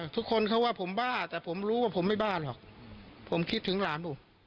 ทุกคนเขาว่าผมบ้าแต่ผมรู้ว่าผมไม่บ้าหรอกผมคิดถึงหลานผม